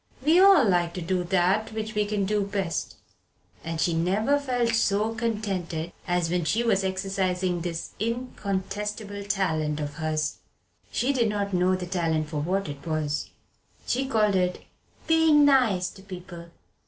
We all like to do that which we can do best. And she never felt so contented as when she was exercising this incontestable talent of hers. She did not know the talent for what it was. She called it "being nice to people."